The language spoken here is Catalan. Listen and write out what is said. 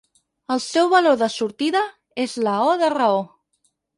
El seu valor de sortida és la o de raó.